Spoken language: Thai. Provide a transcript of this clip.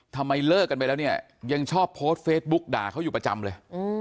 เลิกกันไปแล้วเนี่ยยังชอบโพสต์เฟซบุ๊กด่าเขาอยู่ประจำเลย